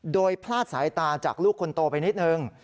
โดยพลาดสายตาจากลูกคนโตไปนิดนึง